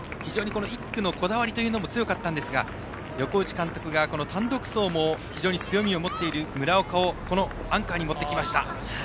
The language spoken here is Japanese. １区のこだわりが強かったんですが横打監督が単独走も非常に強みを持っている村岡をアンカーに持ってきました。